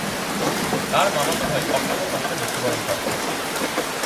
তার মামাতো ভাই অক্টোবর মাসে মৃত্যুবরণ করে।